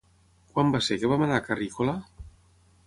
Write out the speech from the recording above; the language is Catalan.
Quan va ser que vam anar a Carrícola?